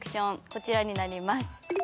こちらになります。